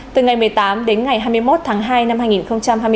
từ ngày một mươi tám đến ngày hai mươi một tháng hai năm hai nghìn hai mươi bốn